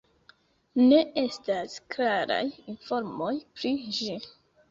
Ne estas klaraj informoj pri ĝi.